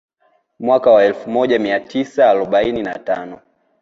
Mwaka wa elfu moja mia tisa arobaini na tano